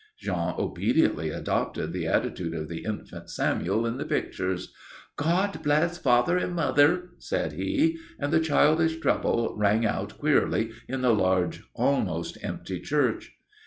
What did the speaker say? '" Jean obediently adopted the attitude of the infant Samuel in the pictures. "God bless father and mother," said he, and the childish treble rang out queerly in the large, almost empty church.